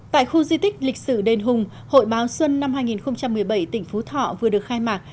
tại khu di tích lịch sử đền hùng hội báo xuân năm hai nghìn một mươi bảy tỉnh phú thọ vừa được khai mạc